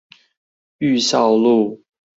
裕孝路